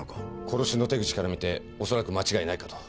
殺しの手口から見て間違いないかと。